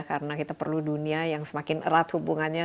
karena kita perlu dunia yang semakin erat hubungannya